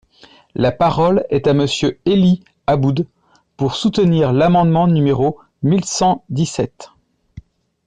La parole est à Monsieur Élie Aboud, pour soutenir l’amendement numéro mille cent dix-sept.